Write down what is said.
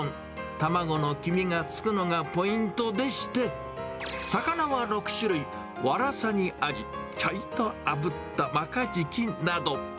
卵の黄身がつくのがポイントでして、魚は６種類、ワラサにアジ、ちょいとあぶったマカジキなど。